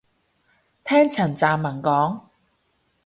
聽陳湛文講